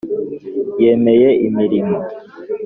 yemeye imirimo.